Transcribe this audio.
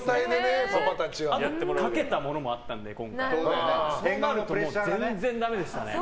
あと、かけたものもあったのでそうなると全然だめでしたね。